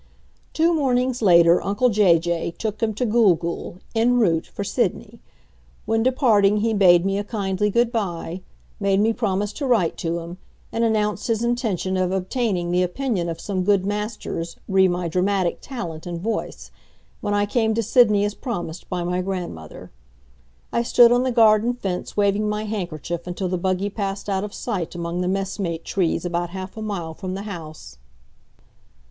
Two mornings later uncle Jay Jay took him to Gool Gool en route for Sydney. When departing he bade me a kindly good bye, made me promise to write to him, and announced his intention of obtaining the opinion of some good masters re my dramatic talent and voice, when I came to Sydney as promised by my grandmother. I stood on the garden fence waving my handkerchief until the buggy passed out of sight among the messmate trees about half a mile from the house.